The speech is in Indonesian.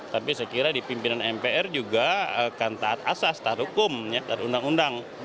tapi saya kira di pimpinan mpr juga akan taat asas taat hukum taat undang undang